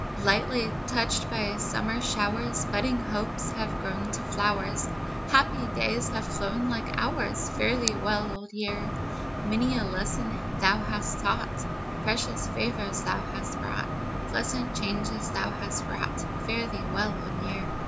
Lightly touched by summer showers, Budding hopes have grown to flowers, Happy days have flown like hours, Fare thee well, Old Year. Many a lesson thou hast taught, Precious favors thou hast brought, Pleasant changes thou hast wrought, Fare thee well, Old Year.